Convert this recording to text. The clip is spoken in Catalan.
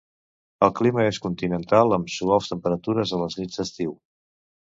El clima és continental amb suaus temperatures a les nits d'estiu.